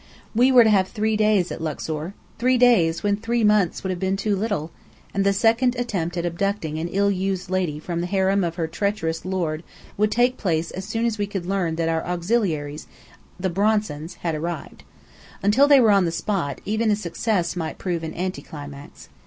We were to have three days at Luxor three days, when three months would have been too little! and the second attempt at abducting an ill used lady from the harem of her treacherous lord would take place as soon as we could learn that our auxiliaries, the Bronsons, had arrived. Until they were on the spot, even a success might prove an anti climax.